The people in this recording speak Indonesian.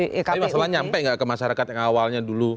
tapi masalahnya sampai gak ke masyarakat yang awalnya dulu